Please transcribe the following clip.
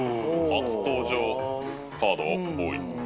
初登場カード多い。